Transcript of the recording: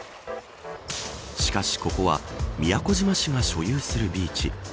しかしここは宮古島市が所有するビーチ。